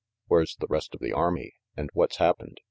"Where's the rest of the army, and what's hap pened?"